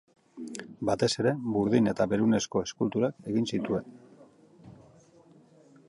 Batez ere, burdin eta berunezko eskulturak egin zituen.